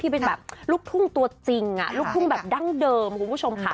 เป็นแบบลูกทุ่งตัวจริงลูกทุ่งแบบดั้งเดิมคุณผู้ชมค่ะ